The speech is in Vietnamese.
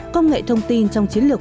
công nghệ thông tin trong chiến lược